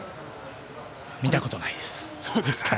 見たことないです。